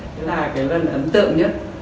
thế là cái lần ấm tượng nhất